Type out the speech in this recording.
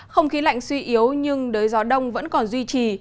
không khí lạnh suy yếu nhưng đới gió đông vẫn còn duy trì